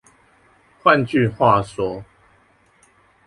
換句話說